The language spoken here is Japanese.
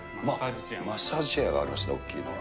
マッサージチェアがありますね、大きいのが。